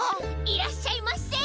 いらっしゃいませ。